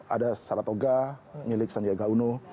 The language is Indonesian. ada saratoga milik sandiaga uno